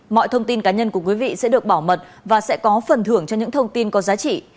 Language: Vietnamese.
mọi thông tin cá nhân của quý vị sẽ được bảo mật và sẽ có phần thưởng cho những thông tin có giá trị